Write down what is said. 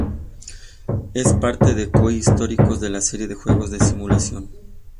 Es parte de Koei Históricos de la serie de juegos de simulación.